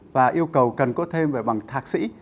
và yêu cầu cần có thêm bằng thạc sĩ